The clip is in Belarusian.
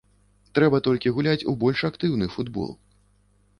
Трэба толькі гуляць у больш актыўны футбол.